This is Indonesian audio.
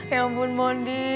ya ampun mondi